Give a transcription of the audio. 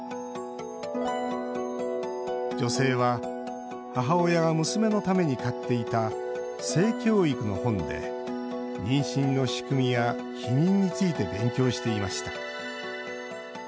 女性は母親が娘のために買っていた性教育の本で妊娠の仕組みや避妊について勉強していました。